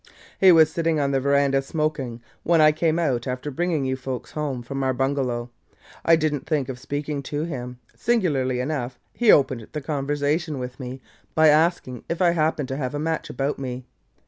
"He was sitting on the veranda smoking, when I came out after bringing you folks home from our bungalow. I did n't think of speaking to him; singularly enough, he opened the conversation with me by asking if I happened to have a match about me.